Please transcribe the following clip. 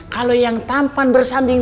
kalau yang tampan bersanding